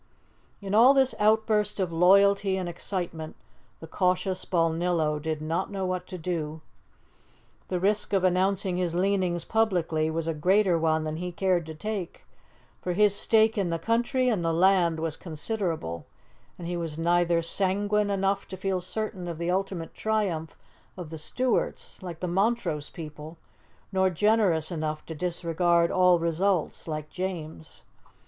In all this outburst of loyalty and excitement the cautious Balnillo did not know what to do. The risk of announcing his leanings publicly was a greater one than he cared to take, for his stake in the country and the land was considerable, and he was neither sanguine enough to feel certain of the ultimate triumph of the Stuarts like the Montrose people, nor generous enough to disregard all results like James.